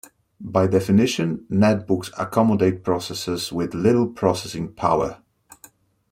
By definition netbooks accommodate processors with little processing power.